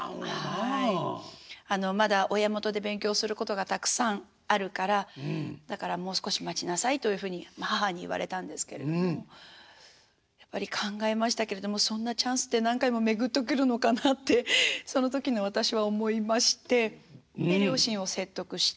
あのまだ親元で勉強することがたくさんあるからだからもう少し待ちなさいというふうに母に言われたんですけれどもやっぱり考えましたけれどもそんなチャンスって何回も巡ってくるのかなってその時の私は思いましてで両親を説得して。